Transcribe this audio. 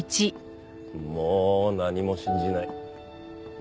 もう何も信じない。